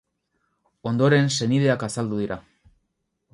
Ondoren, senideak azaldu dira.